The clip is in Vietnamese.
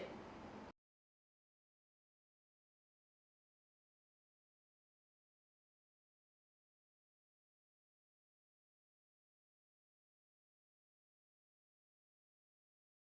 cảnh sát điều tra bộ công an phối hợp thực hiện